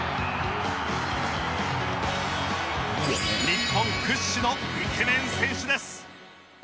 日本屈指のイケメン選手です